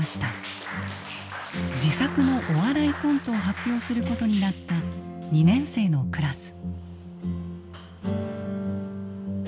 自作のお笑いコントを発表することになった２年生のクラス。